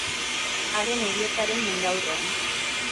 Haren heriotzaren mendeurrenean.